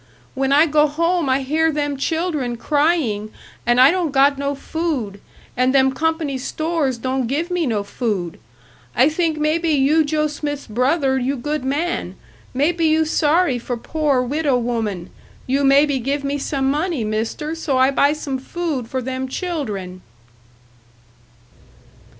When I go home I hear them children crying and I don't got no food, and them company stores don't give me no food. I think maybe you Joe Smith's brother you good man, maybe you sorry for poor widow woman, you maybe give me some money, Mister, so I buy some food for them children."